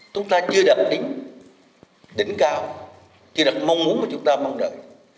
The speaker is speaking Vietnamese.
chúng ta chưa đạt đỉnh đỉnh cao chưa đạt mong muốn mà chúng ta mong đợi